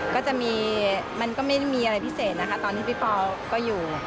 ก็จะมีมันก็ไม่มีอะไรพิเศษนะคะตอนนี้พี่ปอลก็อยู่